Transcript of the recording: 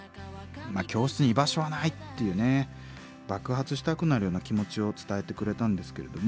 教室に居場所はないっていうね爆発したくなるような気持ちを伝えてくれたんですけれども。